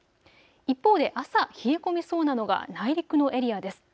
一方で朝冷え込みそうなのが内陸のエリアです。